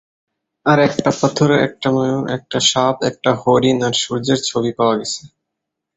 আর একটা পাথরে একটা ময়ূর, একটা সাপ, একটা হরিণ আর সূর্যের ছবি পাওয়া গেছে।